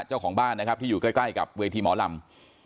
เจ้าของบ้านนะครับที่อยู่ใกล้กับเวทีหมอลำ